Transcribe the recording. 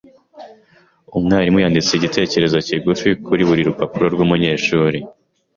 Umwarimu yanditse igitekerezo kigufi kuri buri rupapuro rwabanyeshuri.